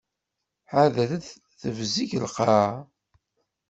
Ḥadret! Tebzeg lqaεa.